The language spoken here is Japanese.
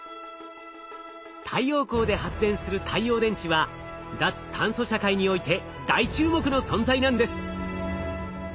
太陽光で発電する太陽電池は脱炭素社会において大注目の存在なんです。